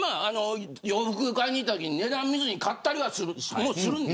洋服買いに行ったときに値段見ずに買ったりはします。